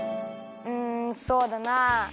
うんそうだな。